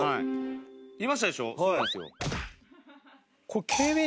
いましたでしょ？